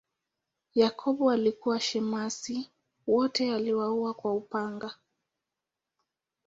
Yakobo alikuwa shemasi, wote waliuawa kwa upanga.